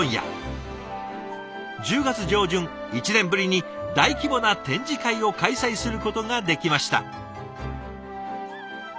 １０月上旬１年ぶりに大規模な展示会を開催することができました。